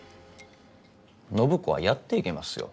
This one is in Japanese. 暢子はやっていけますよ。